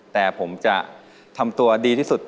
แต่ผมจะทำตัวดีที่สุด